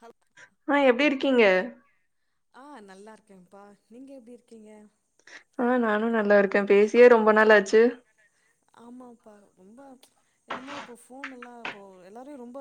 ஹல் ஆ எப்டி இருக்கீங்க ஆ நல்லா இருக்கேம்ப்பா நீங்க எப்டி இருக்கீங்க ஆ நானு நல்லா இருக்க பேசியே ரொம்ப நாாளாச்சு ஆமாப்பா ரொம்ப என்னமோ இப்ப ஃபோனெல்லா இப்போ எல்லாரையு ரொம்ப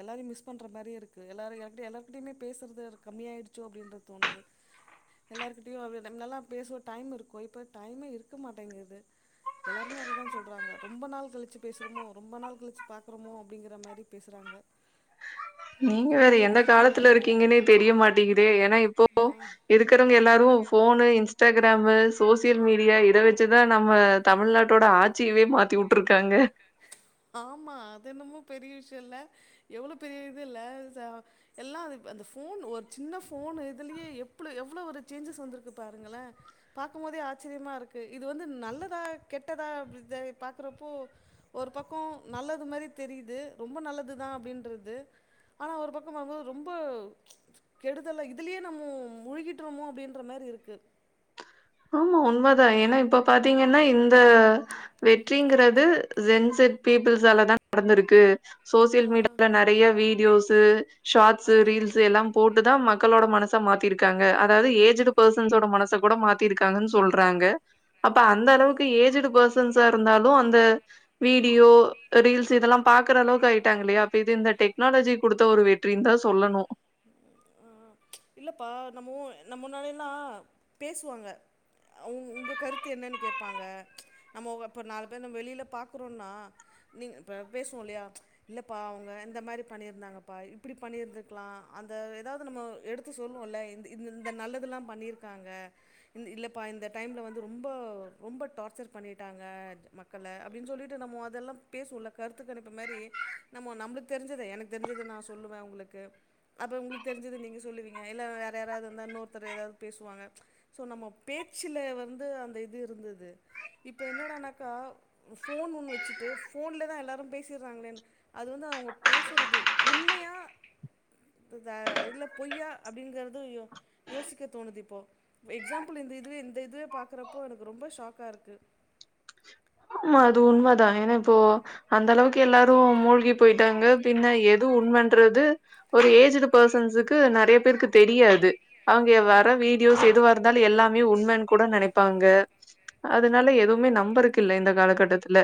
எல்லாரையு மிஸ் பண்ற மாரியே இருக்கு எல்லாரு யார்ட்டையு எல்லார்க்கிட்டயுமே பேசற்து கம்மியாய்டுச்சோ அப்டின்தா தோணுது எல்லார்க்கிட்டயு நம் நல்லா பேசுவோ டைம் இருக்கு இப்ப டைமே இருக்க மாட்டேங்கிது எல்லாருமே அததா சொல்றாங்க ரொம்ப நாள் கழிச்சு பேசுறோமோ ரொம்ப நாள் கழிச்சு பாக்குறோமோ அப்டிங்கிற மாரி பேசுறாங்க நீங்க வேற எந்த எப்டி காலத்துல இருக்கீங்க இருக்கீங்கன்னே தெரியமாட்டேங்கிதே ஏன்னா இப்போ இருக்குறவங்க எல்லா ரு ஃபோனு இன்ஸ்டாகிராமு சோசியல் மீடியா இத வச்சுதா நம்ம தமிழ்நாட்டோட ஆட்சியவே மாத்தி உட்ருக்காங்க ஆமா அது என்னமோ பெரிய விஷயொல்ல எவ்ளோ பெரிய இதுல்ல ச எல்லா அது அந்த ஃபோன் ஒரு சின்ன ஃபோனு இதுலயே எப்ளோ எவ்ளோ ஒரு சேஞ்சஸ் வந்துருக்கு பாருங்களே பாக்கும் போதே ஆச்சரியமா இருக்கு இது வந்து நல்லதா கெட்டதா [unintelligible] பாக்குறப்போ ஒரு பக் கொ நல்லது மாரி தெரியுது ரொம்ப நல்லது தா அப்டின்றது ஆனா ஒரு பக்கம் பாம்போது ரொம்பொ கெடுதல இதுலயே நம்மோ மூழகிட்ரோமோ அப்டின்ற மாரி இருக்கு ஆமா உண்மதா ஏன்னா இப்ப பாத்தீங்கன்னா இந்த வெற்றிங்குறது ஜென்செட் பீப்புள்ஸாலதா நடந்துருக்கு ஆ, சோசியல் மீடியால நறைய வீடியோஸ் து ஆ, ஷாட்ஸு ரீல்ஸு எல்லாம் போட்டுதா மக்களோட மன ச மாத்திருக்காங்க அதாவ்து ஏஜிடு பர்சன்ஸோட மனச கூட மாத்தி திருக்காங்கன் சொல்றாங்க அப்ப அந்த ஆ. அளவுக்கு ஏஜிட் பர்சன்ஸா இருந்தாலு ஒ அந்த வீடியோ ரீல்ஸ் இதெல்லா பாக்குற அளவுக்கு ஆயிட்டாங்க இல்லையா அப்ப இது இந்த டெக்னாலஜி குடுத்த ஒரு வெற்றின் தா சொல்லணு ஆஹ இல்லப்பா நம்ம நம்ம முன்னாடியல்லா பேசுவாங்க உங்க கருத்து என்னன்னு கேப்பாங்க நம்ம இப்ப நாலு பேர் நம்ம வெளியில பாக்குறோனா நீங் இப்ப பேசுவோ இல்லையா இல்லப்பா அவுங்க இந்த மாதிரி பண்ணியிருந்தாங்கப்பா இப்பிடி பண்ணியிருந்திருக்கலா அந்த எதாவது நம்ம எடுத்து சொல்லுவோல்ல இந்த இந்த இந்த நல்லதெல்லா பண்ணியிருக்காங்க இந்த இல்லைப்பா இந்த டைமுல வந்து ரொம்ப ரொம்ப டார்ச்சர் பண்ணிட்டாங்க மக்கள அப்டின்னு சொல்லிட்டு நம்ம அதெல்லா பேசுவோல கருத்து கணிப்பு மேரி நம்ம நம்ளுக்கு தெரிஞ்சதே எனக்கு தெரிஞ்சது நா சொல்லுவே உங்களுக்கு அப்போ உங்களுக்கு தெரிஞ்சது நீங்கள் சொல்லுவீங்க எல்ல வேற யாராவது வந்தா இன்னொருத்தர் எதாவது பேசுவாங்க சே நம்ம பேச்சில் வந்து அந்த இது இருந்தது இப்போ என்னடானாக்கா ஃபோனுன்னு வச்சுட்டு ஃபோன்லே தா எல்லாரு பேசிடுறாங்களேன்னு அது வந்து அவங்க பேசுறது உண்மையா த்துத இதுல பொய்யா அப்டிங்கறது யோ யோசிக்க தோணுது இப்போ எக்ஸாம்பிள் இந்த இதுவே இந்த இதுவே பாக்கறப்போ எனக்கு ரொம்ப ஷாக்காருக்கு ஆமா அது உண்ம தா ஏனா இப்போ அந்த அளவுக்கு எல்லாரும் மூழ்கி போயிட்டாங்க பின்ன எது உண்மன்றது ஒரு ஏஜ்டு பர்சன்ஸுக்கு நறைய பேருக்கு தெரியாது அவங்க வர வீடியோஸ் எதுவாக இருந்தாலு எல்லா உண்மென்னு கூட நெனைப்பாங்க அதனால எதுவுமே நம்பருக்கு இந்த காலகட்டத்துல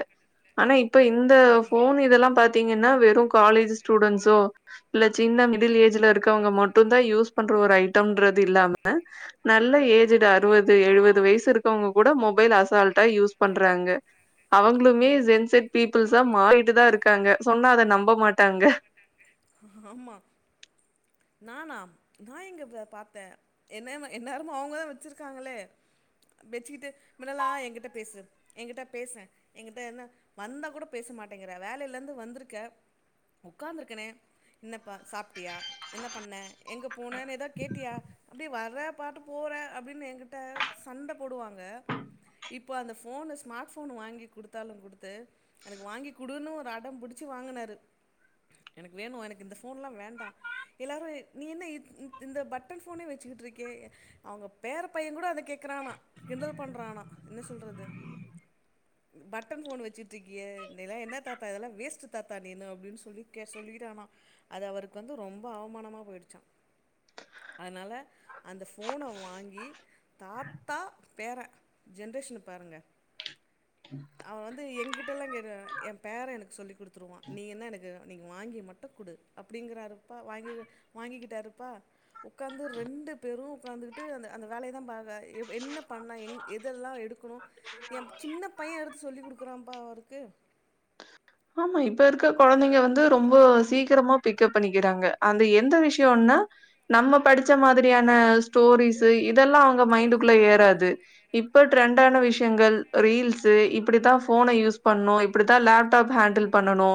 ஆனா இப்ப இந்த அதுதான்மா ஃபோன் இதெல்லா பாத்தீங்கன்னா வெறு காலேஜ் ஸ்டூடெண்ட்ஸோ இல்ல சின்ன மிடில் ஏஜ்ல இருக்கவங்க மட்டு தா யூஸ் பண்ற ஒரு ஐட்டம்ன்றது இல்லாம நல்ல ஏஜ்டு அறுபது எழுபது வயசு இருக்கவங்க கூட மொபைல் அசால்டா யூஸ் பண் பண்றாங்க அவங்களுமே சென்சட் பீப்புள்ஸா மாறிட்டு தா இருக் இருக்காங்க சொன்ன அத நம்ப மாட்டாங்க ஆமாம் ஆமாம் நானா நா எங்க பாத்த என்ன என்னேரமு அவுங்கதா வெச்சிருக்காங்களே வெச்சுக்கிட்டு மின்னலா எங்கிட்ட பேசு எங்கிட்ட பேசே எங்கிட்ட என்ன வந்தா கூட பேச மாட்டேங்கிற வேலேலருந்து வந்துருக்க உட்காந்துருக்கனே இன்னப்பா சாப்ட்டியா என்ன பண்ண எங்க போனன்னு ஏதா கேட்டியா அப்டியே வர்ர பாட்டு போற அப்டின்னு எங்கிட்ட சண்ட போடுவாங்க இப்போ அந்த ஃபோனு ஸ்மார்ட் ஃபோனு வாங்கி குடுத்தாலு குடுத்த எனக்கு வாங்கி குடுன்னு ஒரு அடம் பிடிச்சி வாங்குனாரு எனக்கு வேணு எனக்கு இந்த ஃபோன்ல்லா வேண்டா எல்லாரு நீ என்ன இ-இ-இந்த பட்டன் ஃபோனே வெச்சுட்றுக்கீயே அவுங்க பேர பைய கூட அத கேக்கறானா கிண்டல் பண்றானா என்ன சொல்றது பட்டன் ஃபோன் வெச்சுட்றுக்கீயே நீயல்லா என்ன தாத்தா இதெல்லா வேஸ்ட்டு தாத்தா நீ என்ன அப்டின்னு சொல்லி கேக் சொல்லிட்டானா அது அவருக்கு வந்து ரொம்ப அவமானமா போயிடுச்சா அதனால அந்த ஃபோன வாங்கி தாத்தா பேர ஜென்ரேஷன்ன பாருங்க அவ வந்து எங்கிட்டலா [unintelligible] ஏ பேர எனக்கு சொல்லித்குடுத்துருவா நீ என்ன எனக்கு நீங்க வாங்கி மட்டும் குடு அப்டிங்கிறாருப்பா வாங்க வாங்கிக்கிட்டாருப்பா உட்காந்து ரெண்டு பேரு உட்காந்துகிட்டு அந்த அந்த வேலையதா பாக் எப் என்ன பண்ணலா எங் எதெல்லா எடுக்கணு என் சின்ன பைய எடுத்து சொல்லி் குடுக்குறாப்பா அவுருக்கு ஆமா இப்ப இருக்க கொழந்தைங்க வந்து ரொம்ப சீக்கிரமா பிக்கப் பண்ணிக்கிறாங்க அந்த எந்த விஷயம்னா நம்ம படிச்ச மாதிரியான ஸ்டோரிஸு இதெல்லா அவுங்க மைண்டுக்குள்ள ஏறது இப்போ ட்ரெண்ட்டான விஷயங்கள் ரீல்ஸு அப்புடிதா போன யூஸ் பண்ணணு இப்டித் த ஃலாப் ப்ப ஹேண்டில் பண்ணனு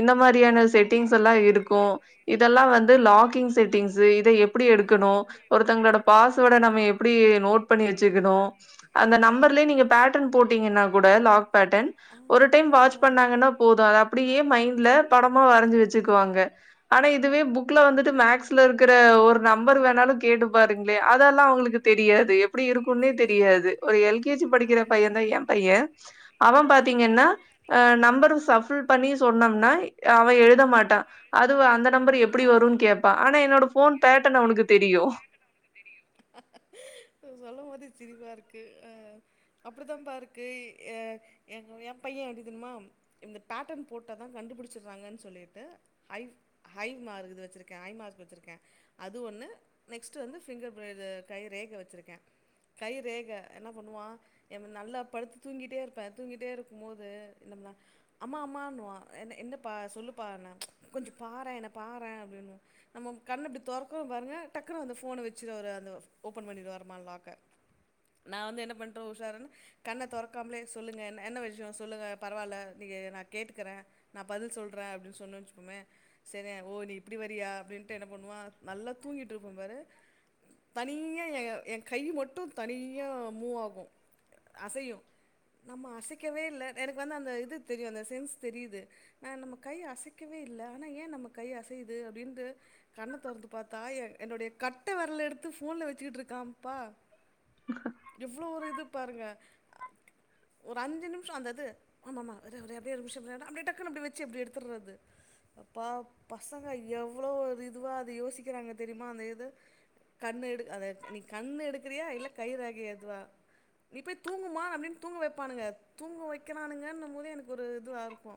இந்த மாரியான செட்டிங்ஸ் எல்லா இருக்கும் இதெல்லா வந்து லாக்கிங் செட்டிங்ஸு இத எப்புடி எடுக் க்கனு ஒருத்தங்களோட பாஸ்வேர்ட நம்ம எப்டி நோட் பண்ணி வச்சுக்கணு அந்த நம்பர்ல நீங்க பேட்டன் போட்டீங்கன்னா கூட லாக் பேட்டன் ஒரு டைம் ஆ வாச் பண்ணாங்கன்னா போதும் அது அப்டியே மைண்ட்ல படமா வரைஞ்சு வச்சுக்குவாங்க ஆனா இதுவே புக்ல வந்துட்டு மேக்ஸ்ல இருக்குற ஒரு நம்பர் வேணாலு கேட்டு பாரு அதெல்லா அவுங்களுக்கு தெரியாது எப்புடி இருக்குன்னே தெரியாது ஒரு எல் கேஜி படிக்கிற ஐயோ பையன்தா ஏ பையே அவன் ஆ பாத்தீங்கன்னா நம்பர் சஃபுல் பண்ணி சொன்னம்னா அவன் எழு ட மாட்டா அதுவு அந்த நம்பர் எப்டி வருனு கேப்பான் ஆனா என்னோட போன் பேட்டர்ன் அவனுக்கு தெரியு சிரிபா இருக்கு அஹ் அப்டிதா பா இருக்கு ஏ எங் எ பைய எப்டி தெர்மா இந்த பேட்டர்ன் போட்டா தா கண்டுபுடிச்சிறாங்கன் சொல்லி து ஐவ் ஹை மாருகுது வச்சிருக்கே ஹை மார்க் வச்சிருக்கே அது ஒன்னு நெக்ஸ்ட்டு வந்து ஃபிங்கபிரி இது கை ரேக வச்சிருக்கே கைரேக என்ன பண்ணுவா என்ன நல்லா படுத்து தூங்கிட்டே இருப்பே தூங்கிட்டே இருக்கும் போது இந்தம்னா அம்மா அம்மானுவா என்ன என்னப்பா சொல்லுப் பானா கொஞ்சோ பாற என்ன பாற அப்டினு நம்ம கண்ண இப்டி தொறக்கவு பாருங்க டக்குனு அந்த ஃபோன வச்சு ஒரு அந்த ஓபன் பண்ணிடுவராமா‌ லாக்க நா வந்து என்ன பண்டோ‌ உஷாரன் கண்ண தொறக்காமலே சொல்லுங்க என் என்ன விஷயோ சொல்லுங்க பரவால நீங்க நா கேட்டுக்குற நா பதில் சொல்ற அப்டினு சொன்னு வச்சுப்போமே சரி ஓ நீ இப்டி வரியா அப்டின்ட்டு என்ன பண்ணுவா நல்லா தூங்கிட்டுருப்போ பாரு தனியா எ என் கை மட்டு தனியா மூவாகு அசையு நம்ம அசைக்கவே இல்ல எனக்கு வந்து அந்த இது தெரியு அந்த சென்ஸ் தெரியிது நா நம்ம கை அசைக் கவே இல்ல ஆனா ஏன் நம்ம கை அசையிது அப்டின்ட்டு கண்ண தொறந்து பாத்தா எ என்னுடைய கட்ட வெரல எடுத்து ஃபோன்ல வச்சிகிட்டுருக்காம் ப்பா எவ்ளோ ஒரு இதுப் பாருங்க ஒரு அஞ்சு நிமிஷோ அந்தது ஆமாமா அத அத அப்டியே ஒரு நிமிஷ இருடா அப்டியே டக்குனு அப்டி வச்சி எப்டி எடுத்துறது அப்பா பசங்க எவ்வளோ ஒரு இதுவா அது யோசிக்கிறாங்க தெரியுமா அந்த இது கண்ணு எடு அத நீ கண்ணு எடுக்குறியா இல்ல கை ரேக எதுவா நீ போய் தூங்குமா அப்டின் தூங்க வெப்பானுங்க தூங்க வெக்கிறானுங்கன்னும் போது எனக்கு ஒரு இதுவாருக்கு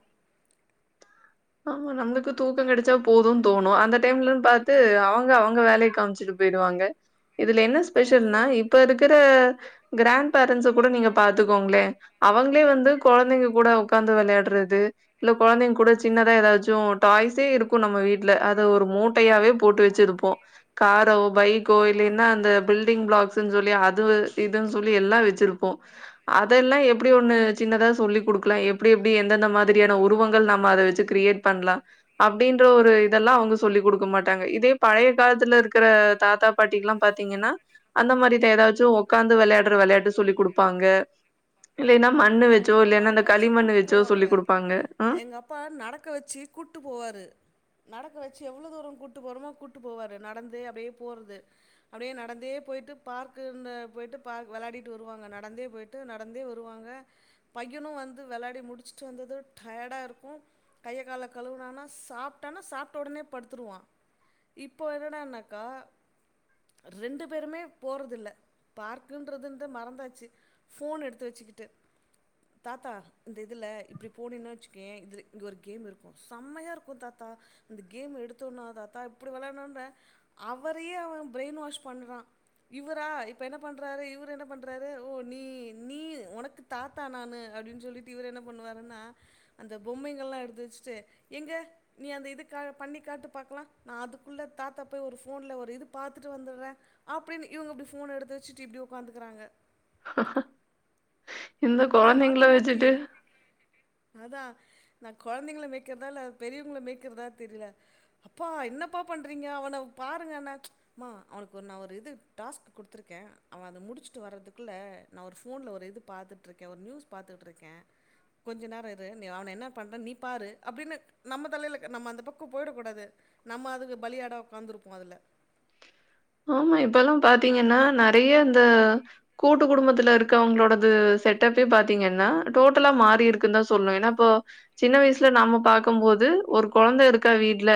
ஆமா நம்ளுக்கு தூக்கம் கெடைச்சா போதுன் தோணு அந்த டைம்லன் பாத்து ஆ அவங்க அவங்க வேலை காம்ச்சிட்டு பேய்டுவாங்க இதுல என்ன ஸ்பெஷல்னா அதுதான் இப்ப இருக்குற கிராண்ட் பேரண்ட்ஸ கூட நீங்க பாத்துக்கோங்களே அவங் க்லே வந்து கொழந்தைங்க கூட ஒக்காந்து வெளையாட் டுறது இல்ல கொழந்தைங் கூ சின்னதா ஏதாச்சு டாய்ஸே இருக்கு நம்ம வீட்ல அத ஒரு மூட் யாவே போட்டு வச்சிருப்போ காரோ பைக்கோ ஆமாம் இல்லின்னா அந்த பில்டிங் ப்ளாக்ஸ் துன் சொல்லி அதுவ இதுன் சொல்லி எல்லா வெச்சிருப்போ‌ அதெல்லா எப்டி ஒண்ணு சின்னதா சொல்லி கொடுக்கலா எப்டி எப்டி எந்தெந்த மாதிரியான உருவங்கள் நம்ம அத வெச்சி து கிரியேட் பண்லா அப்டின்ற ஒரு இதெல்லா அவங்க சொல்லி் கொடுக்க மாட்டாங்க இதே பழைய காலத்துல இருக்குற தாத்தா பாட்டிக்குலா பாத்தீங்கன்னா அந்த மாரிதா ஏதாச்சு உக்காந்து வெளையாடுற வெளையாட்டு சொல்லி் கொடுப்பாங்க இல்லன்னா மண்ணு ஐயோ எங்க வச்சோ அப்பாலாம் இல்லன்னா இந்த நடக்க வச்சு களி மண்ணு கூட்டு வச்சோ சொல்லி் கொடுப்பாங்க அஹ் க வச்சி கூட்டு போவாரு நடக்க வச்சி எவ்ளோ தூரோ‌ கூட்டு போறோமோ கூட்டு போவாரு நடந்தே அப்டியே போறது அப்டியே நடந்தே போய்ட்டு பார்க்குன்னன போயி்ட்டு பார்க் வெளாடிட்டு வருவாங்க நடந்தே போயி்ட்டு நடந்தே வருவாங்க பையனு வந்து வெளாடி முடிச்சிட்டு வந்தது டயர்டாருக்கு கைய கால கலுவுனானா சாப்ட்டானா சாப்ட்ட ஒடனே படுத்துருவா இப்போ என்னடானாக்கா ரெண்டு பேருமே போறற்தில்ல பார்க்குன்றதுந்து மறந்தாச்சி ஃபோன் எடுத்து வெச்சிக்கிட்டு தாத்தா இந்த இதுல இப்டி போனின்ன வச்சுக்கயே இதுல இங்க ஒரு கேம் இருக்கு செம்மையா இருக்கு தாத்தா இந்த கேம் எடுத்தோனா தாத்தா இப்டி வெளையாடனுன்ன அவரையே அவன் பிரெய்ன் வாஷ் பண்றா இவரா இப்ப என்ன பண்றாரு இவரு என்ன பண்றாரு ஓ நீ நீ ஒனக்கு தாத்தா நானு அப்டின் சொல்லிட்டு இவரு என்ன பண்ணுவாருன்னா அந்த பொம்மைகள்லா எடுத்து வச்சிட்டு எங்க நீ அந்த இது கா பண்ணி காட்டு பாக்கலா நா அதுக்குள்ள தாத்தா போய் ஒரு ஃபோன்ல ஒரு இது பாத்துட்டு வந்துடுற அப்டின்னு இவங்க அப்டி ஃபோன் எடுத்து வச்சிட்டு இப்டி ஒக்காந்துக்கறாங்க இந்த கொழந்தைங்கள வச்சிட்டு அதா நா கொழந்தைங்கள மேக்கறதா இல்ல பெரியவங்கள மேக்கறதா தெரில அப்பா என்னப்பா பண்றீங்க அவன பாருங்கண்ணா மா அவனுக்கு ஒரு நா ஒரு இது டாஸ்க் குடுத்துருக்கே அவ‌ அத முடிச்சிட்டு வர்றதுக்குள்ள நா ஒரு ஃபோன்ல ஒரு இது பாத்துட் ட்ருக்கே ஒரு நியூஸ் பாத்துகுட்ருக்கே கொஞ்ச நேரோ இரு நீ அவன என்ன பண்ற நீ பாரு அப்டினு நம்ம தலைல நம்ம அந்த பக்கோ போயிட கூடாது நம்ம அதுக்கு பலியாடா ஒக்காந்துருப்போ‌ அதுல ஆமா இப்போலா பாத்தீங்கன்னா நெறைய இந்த கூட்டு குடும்பத்துல இருக்கவங்களோடது செட்டப்பே பாத்தீங்கன்னா டோட்டலா மாறி இருக்குந்தா சொல்லு ஏன்னா இப்போ சின்ன வயசுல நாம்ம பாக்கும் போது ஒரு கொழந்த இருக்கா வீட்டுல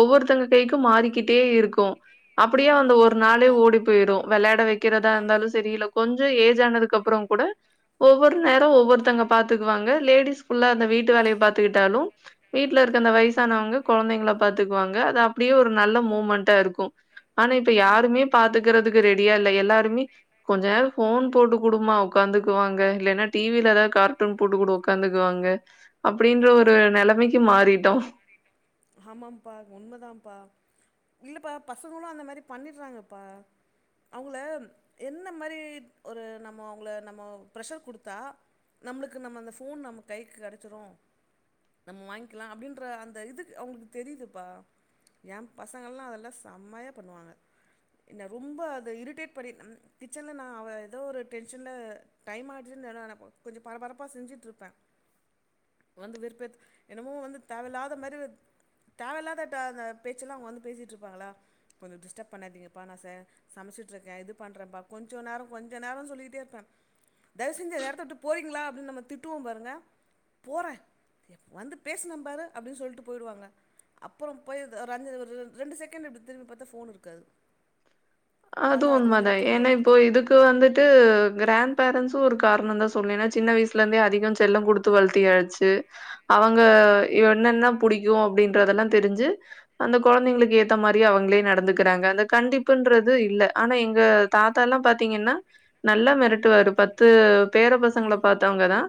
ஒவ்வொருத்தங்க கைக்கு ம் மாறிக்கிட்டே இருக்கு‌அப் ப்படியே அந்த ஆமா ஒரு நாளே ஆமா ஓடி போயிடு வெளாட ஆமா வெக்கிறதாந்தாலு சரி இல்ல கொஞ்சோ ஏஜ் ஆனது க்கு அப்புறம் கூட ஒவ்வொரு நேரோ ம் ஒவ்வொருத்தங்க பாத்துக்குவாங்க லேடிஸ் புள்ளா அந்த வீட்டு வேலைய பாத்துகிட்டாலு வீட்டுல இருக்க அந்த ம் வயசானவங்க கொழந்தைங்கள பாத் கத்துக்குவாங்க அது அப்டியே ஒரு நல்ல மூமெண்டா இருக்கும் ஆனா இப்ப யாருமே பாத்துக்குறதுக்கு ரெடியா இல்ல எல்லார் [unintelligible] கொஞ்ச நேரோ போன் போட்டு குடும்மா உக்காந்துக்குவாங்க இல்லேன்னா டிவில எதாது கார்டூன் போட்டு கூட உக்காந்துக்குவாங்க அப்டின்ற ஒரு நெலமைக்கி மாறிட்டோ ஆமாம்ப்பா உண்மதான்ப்பா இல்லப்பா பசங்களு அந்த மாரி பண்ணிட்றாங்கப்பா அவுங்கள என்ன மாரி ஒரு நம்ம அவுங்கள நம்மோ ப்ரஷர் குடுத்தா நம்பளுக்கு நம்ப அந்த போன் நம்ம கைக்கு கெடச்சுரும் நம்ம வாங்கிக்கலா அப்டின்ற அந்த இது அவுங்களுக்கு தெரியுதுப்பா ஏ பசங்கலா அதல்லா செமையா பண்ணுவாங்க என்ன ரொம்ப அத இரிட்டேட் பண்ணி கிச்சன்ல நா அவ எதோ ஒரு டென்ஷன்ல டைம் ஆயிடுச்சுனு வேற நெனைப்போ கொஞ்சோ பரபரப்பா செஞ்சிட்டுருப்பே வந்து வெறுப்பேத்து என்னமொ வந்து தேவயில்லாத மாரி வந் தேவயில்லாத ட அந்த பேச்செல்லா அவுங்க வந்து பேசிட்டு இருப்பாங்களா கொஞ்சோ டிஸ்டர்ப் பண்ணாதீங்கப்பா நா ச சமைச்சிட்ருக்கே இது பண்றன்பா கொஞ்ச நேரோ கொஞ்ச நேரோ சொல்லிக்கிட்டே இருப்பே தயவு செஞ்சு இந்த எடத்த விட்டு போறீங்களா அப்டின்னு நம்ப திட்டுவோ பாருங்க போறே வந்து பேசுனேபாரு அப்டின்னு சொல்ட்டு போயிடுவாங்க அப்பறோ போய் ஒரு அஞ்ச ஒரு ரெ ரெண்டு செகண்ட் இப்புடி திரும்பி பாத்தா போன் இருக்காது அது பாத்தா வந்து உண்மதா எடுத்துட்டு ஏன்னா போறதுக்கு தா இப்போ இதுக்கு வந்துட்டு கிராண்ட் கிராண்ட் பேரெண்ட்ஸு ஒரு காரணந்தா சொல்லனு ஏன்னா சின்ன வயசுல இருந்தே அதிகோ செல்லோ குடுத்து வளத்தியாச்சு அவங்க இவ என்னன்னா புடிக் கு அப்டின்றதெல்லா தெரிஞ்சு அந்த கொழந்தைங்களுக்கு ஏத்த மாரி அவுங்களே நடந்துக்குறாங்க அந்த கண்டிப்புன்றது இல்ல ஆனா எங்க தாத்தால்லா பாத்தீங்கன்னா நல்லா மெரட்டுவாரு பத்து பேர பசங்கள பாத்தவுங்கதா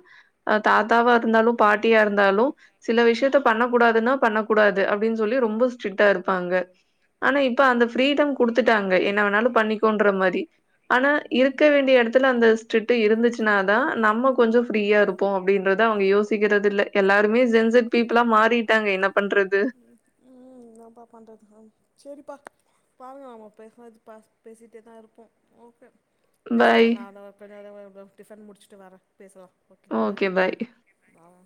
அ தாத்தாவா இருந்தாலு பாட்டியா இருந்தாலு சில விஷயத்த பண்ணக்க கூடாதுன்னா பண்ண கூடாது அப்டின்னு சொல்லி ரொம்ப ஸ்டிக்டா இருப்பாங்க ஆனா இப்ப அந்த ஃப்ரீடம் குடுத்துட்டாங்க என் என்ன வேன்னாலு பண்ணிக்கொன்ற மாரி ஆனா இருக்க வேண்டிய எடத்துல அந்த ஸ்டிக்டு இருந்துச்சுனாதா நம்ப கொஞ்சோ ப்ரியா இருப்போ அப்டின்றத அவுங்க யோசிக்கிறதில்ல எல்லாருமே ஜென்செட் பீப்பிள்ளா மாறிட்டாங்க என்ன பண்றது உம் என்னப்பா பண்றது செரிப்பா பாருங்க அவுங்கள பே பேசுனா பேசிட்டேதா இருப்போ ஓகே பேசலா பாய். நா [unintelligible] டிபன் முடிச்சுட்டு வரே பேசலாம் ஓகே பாய் ஓகே பாய்